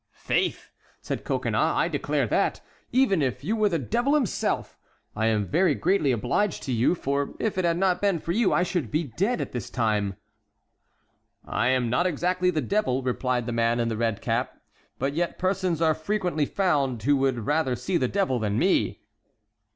"Faith!" said Coconnas, "I declare that, even if you were the devil himself, I am very greatly obliged to you, for if it had not been for you I should be dead at this time." "I am not exactly the devil," replied the man in the red cap; "but yet persons are frequently found who would rather see the devil than me."